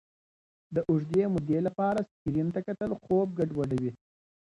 د اوږدې مودې لپاره سکرین ته کتل خوب ګډوډوي.